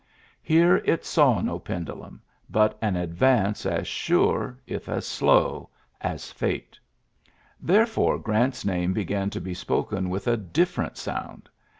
Here it saw no pendulum, )ut an advance as sure, if as slow, as ate. Therefore, Grant's name began to ye si>oken with a different sound.